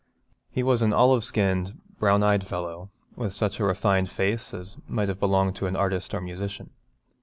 He was an olive skinned, brown eyed fellow, with such a refined face as might have belonged to an artist or musician.